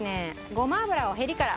ごま油をへりから。